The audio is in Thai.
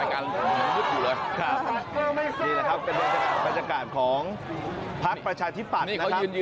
นี่แหละครับบรรยากาศของพักปัจฉธิปัตรนะครับ